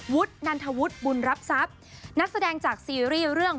นันทวุฒิบุญรับทรัพย์นักแสดงจากซีรีส์เรื่อง